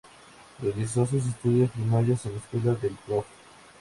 Realizó sus estudios primarios en la escuela del Profr.